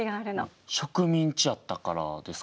植民地やったからですか？